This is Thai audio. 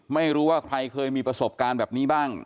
ไม่รู้ว่าใครเคยมีประสบการณ์แบบนี้บ้าง